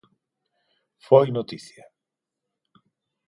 Foi noticia.